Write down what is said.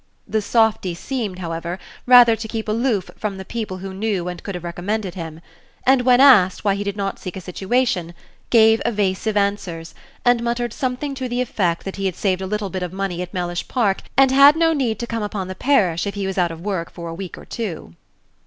The softy seemed, however, rather to keep aloof from the people who knew and could have recommended him; and when asked why he did not seek a situation, gave evasive answers, and muttered something to the effect that he had saved a little bit of money at Mellish Park, and had no need to come upon the parish if he was out of work for a week or two.